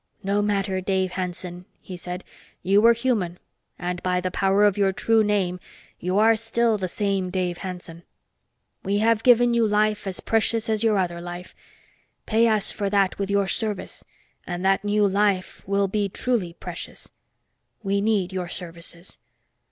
"No matter, Dave Hanson," he said. "You were human, and by the power of your true name, you are still the same Dave Hanson. We have given you life as precious as your other life. Pay us for that with your service, and that new life will be truly precious. We need your services."